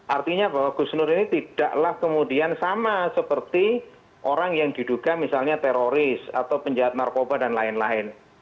artinya bahwa gus nur ini tidaklah kemudian sama seperti orang yang diduga misalnya teroris atau penjahat narkoba dan lain lain